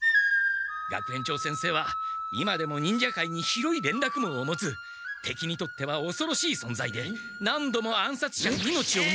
学園長先生は今でも忍者界に広いれんらくもうを持つ敵にとってはおそろしいそんざいで何度も暗殺者に命をねらわれ。